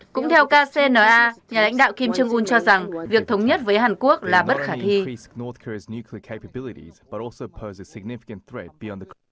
cũng theo kcna nhà lãnh đạo kim trương ưn cho rằng việc thống nhất với hàn quốc là bất khả thi